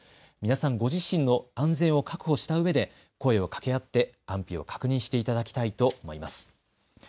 皆さんご自身の安全を確保したうえで声をかけ合って安否を確認していただきたいと思います。